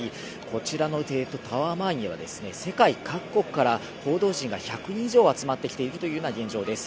こちらのタワー前には世界各国から報道陣が１００人以上集まってきているという現状です。